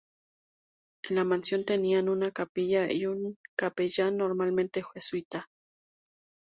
En la mansión tenían una capilla y un capellán, normalmente jesuita.